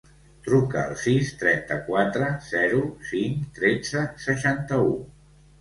Truca al sis, trenta-quatre, zero, cinc, tretze, seixanta-u.